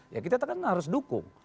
ya kita kan harus dukung